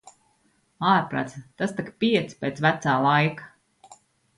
Ārprāc, tas tak pieci pēc "vecā" laika.